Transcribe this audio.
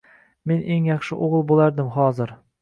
Men eng yaxshi oʼgʼil boʼlardim hozir.